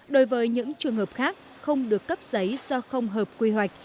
đối với những trường hợp khác không được cấp giấy do không hợp quy hoạch